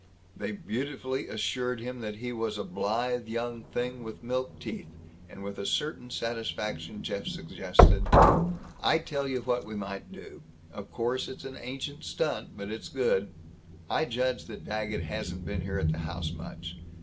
They beautifully assured him that he was a blithe young thing with milk teeth; and with a certain satisfaction Jeff suggested, "I tell you what we might do. Of course it's an ancient stunt, but it's good. I judge that Daggett hasn't been here at the house much.